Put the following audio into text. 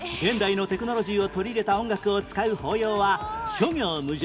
現代のテクノロジーを取り入れた音楽を使う法要は「諸行無常」